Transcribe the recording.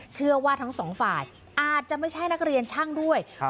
เชื่อว่าทั้งสองฝ่ายอาจจะไม่ใช่นักเรียนช่างด้วยครับ